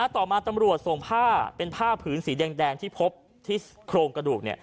ต่อมาตำรวจส่งผ้าเป็นผ้าผืนสีแดงที่พบที่โครงกระดูก